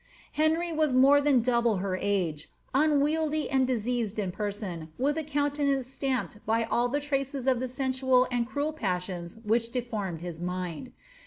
Henry was more than double her age, unwieldy and diseased in per son, witli a countenance stamped by all the traces of the sensual and cruel pa:»sions which deformed his mind.